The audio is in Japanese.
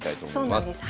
そうなんです。